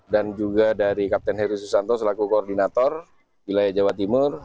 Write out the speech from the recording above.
dan juga dari kapten heri susanto selaku koordinator wilayah jawa timur